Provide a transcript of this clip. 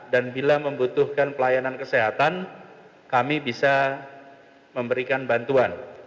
dan bila membutuhkan pelayanan kesehatan kami bisa memberikan bantuan